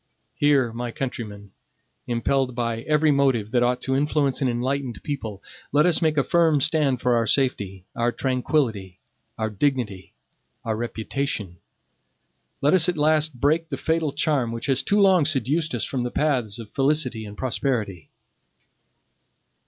Here, my countrymen, impelled by every motive that ought to influence an enlightened people, let us make a firm stand for our safety, our tranquillity, our dignity, our reputation. Let us at last break the fatal charm which has too long seduced us from the paths of felicity and prosperity.